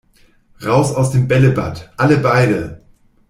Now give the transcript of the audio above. Raus aus dem Bällebad, alle beide!